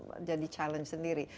iya ini jadi challenge sendiri